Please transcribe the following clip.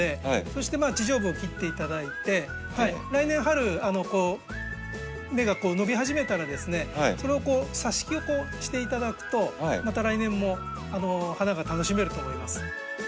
そして地上部を切って頂いて来年春こう芽が伸び始めたらですねそれを挿し木をして頂くとまた来年も花が楽しめると思います。